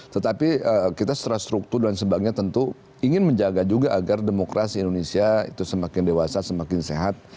tetapi kita secara struktur dan sebagainya tentu ingin menjaga juga agar demokrasi indonesia itu semakin dewasa semakin sehat